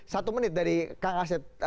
satu menit dari kak aset